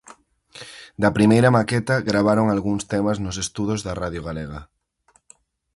Da primeira maqueta gravaron algúns temas nos estudos da Radio Galega.